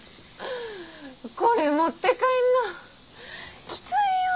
これ持って帰んのキツイよー！